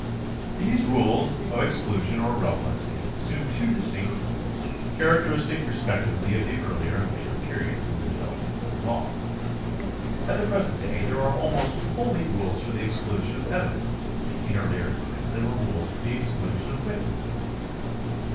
These rules of exclusion or irrelevancy assume two distinct forms, characteristic respectively of the earlier and later periods in the development of the law. At the present day they are almost wholly rules for the exclusion of evidence ; in earlier times they were rules for the exclusion of witnesses.